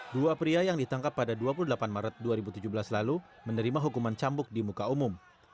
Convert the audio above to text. dua pria yang ditangkap pada dua puluh delapan maret dua ribu tujuh belas lalu menerima hukuman cambuk di muka umum